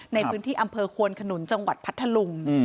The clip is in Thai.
ในพื้นที่อำเภอควนขนุนจังหวัดพัทธลุง